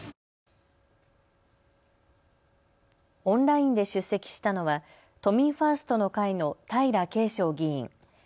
オンラインで出席したのは都民ファーストの会の平慶翔議員。